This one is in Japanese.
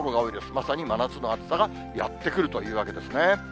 まさに真夏の暑さがやって来るというわけですね。